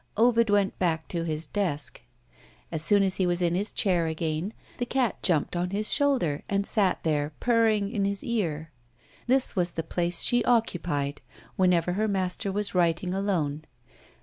Ovid went back to his desk. As soon as he was in his chair again, the cat jumped on his shoulder, and sat there purring in his ear. This was the place she occupied, whenever her master was writing alone.